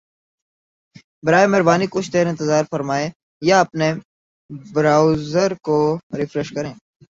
براہ مہربانی کچھ دیر انتظار فرمائیں یا اپنے براؤزر کو ریفریش کریں